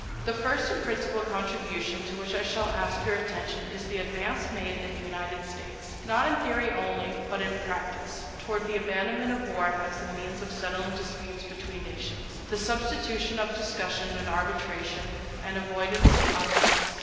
The first and principal contribution to which I shall ask your attention is the advance made in the United States, not in theory only, but in practice, toward the abandonment of war as the means of settling disputes between nations, the substitution of discussion and arbitration, and the avoidance of armaments.